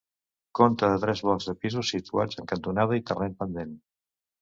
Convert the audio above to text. Conta de tres blocs de pisos situats en cantonada i en terreny pendent.